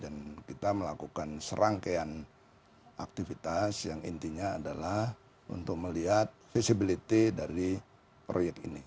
dan kita melakukan serangkaian aktivitas yang intinya adalah untuk melihat visibility dari proyek ini